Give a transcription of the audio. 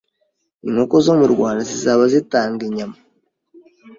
inkoko zo mu Rwanda zizaba zitanga inyama